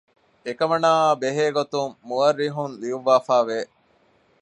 އެކަމަނާއާއި ބެހޭގޮތުން މުއައްރިޚުން ލިޔުއްވައިފައިވެ